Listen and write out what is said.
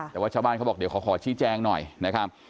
แต่ว่าชาวบ้านเขาบอกเดี๋ยวขอชี้แจงหน่อยนะครับ